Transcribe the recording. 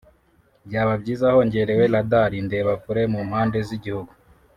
byaba byiza hongerewe radar (indebakure) mu mpande z’igihugu